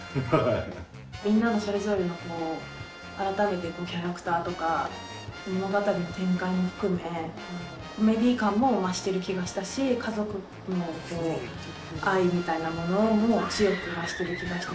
みんなのそれぞれのこう改めてキャラクターとか物語の展開も含めコメディー感も増してる気がしたし家族も愛みたいなものも強く増してる気がしたし。